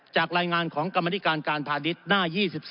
จากรายงานของกรรมธิการการพาณิชย์หน้า๒๔